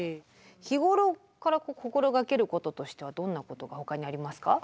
日頃から心掛けることとしてはどんなことがほかにありますか？